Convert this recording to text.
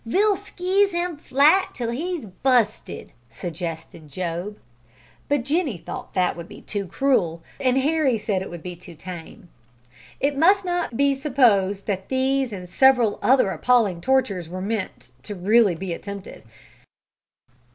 ve'll skeese him flat till he's bu'sted," suggested Job. But Jenny thought that would be too cruel, and Harry said it would be too tame. It must not be supposed that these and several other appalling tortures were meant to be really attempted.